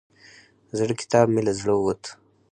زړه کتاب مې له زړه ووت.